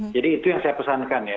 jadi itu yang saya pesankan ya